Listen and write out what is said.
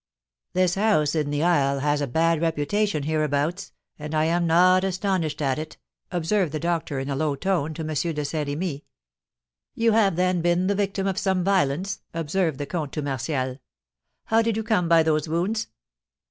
"This house in the isle has a bad reputation hereabouts, and I am not astonished at it," observed the doctor, in a low tone, to M. de Saint Remy. "You have, then, been the victim of some violence?" observed the comte to Martial. "How did you come by those wounds?"